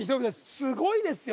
すごいですよ